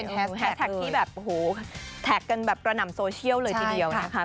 เป็นแฮสแท็กท์ที่แถกกันกระหน่ำโซเชียลเลยทีเดียวนะคะ